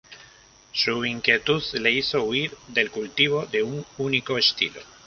Su inquietud le hizo huir del cultivo de un único estilo.